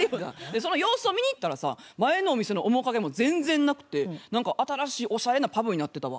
その様子を見に行ったらさ前のお店の面影も全然なくて何か新しいおしゃれなパブになってたわ。